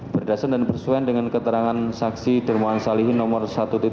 berdasar dan bersuai dengan keterangan saksi dermawan salihin nomor satu dua belas